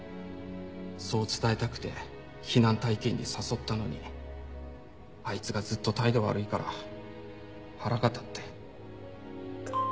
そう伝えたくて避難体験に誘ったのにあいつがずっと態度悪いから腹が立って。